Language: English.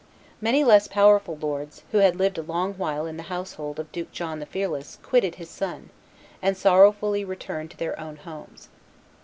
Many less powerful lords, who had lived a long while in the household of Duke John the Fearless, quitted his son, and sorrowfully returned to their own homes.